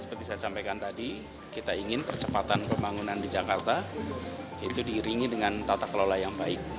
seperti saya sampaikan tadi kita ingin percepatan pembangunan di jakarta itu diiringi dengan tata kelola yang baik